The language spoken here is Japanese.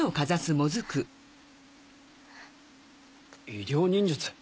医療忍術？